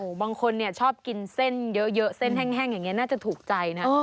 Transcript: บางคนเนี่ยชอบกินเส้นเยอะเส้นแห้งอย่างนี้น่าจะถูกใจนะ